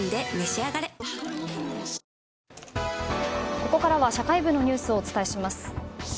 ここからは社会部のニュースをお伝えします。